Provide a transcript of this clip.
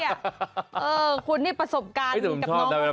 เออคุณนี่ประสบการณ์มีกับน้องคนหลายอย่าง